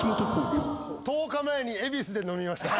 １０日前に恵比寿で飲みました。